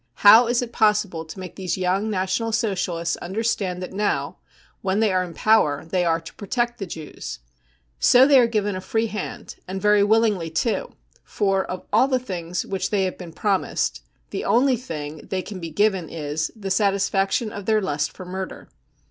How is it possible to make these young National Socialists understand that now, when they are in power, they are to protect the Jews ? So they are given a free hand — and very willingly, too, for of all the things which they have been promised the only thing they can be given is : the satisfaction of their lust for murder.